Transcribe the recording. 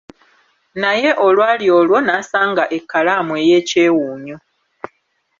Naye olwali olwo n'asanga ekkalaamu ey'ekyewuunyo.